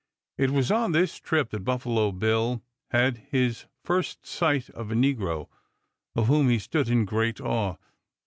It was on this trip that Buffalo Bill had his first sight of a negro, of whom he stood in great awe.